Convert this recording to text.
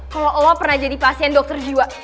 kalo lo pernah jadi pasien dokter jiwa